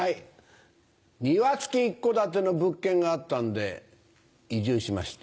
庭付き一戸建ての物件があったんで移住しました。